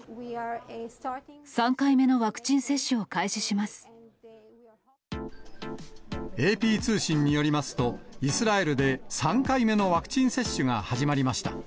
３回目のワクチン接種を開始ＡＰ通信によりますと、イスラエルで３回目のワクチン接種が始まりました。